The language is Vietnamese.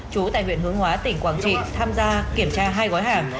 chú tại huyện hướng hóa tỉnh quảng trị tham gia kiểm tra hai gói hàng